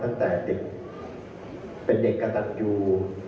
ตั้งแต่เด็กเป็นเด็กกระตันยู